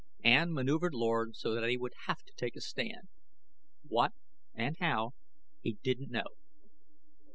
Ann maneuvered Lord so that he would have to take a stand. What and how, he didn't know.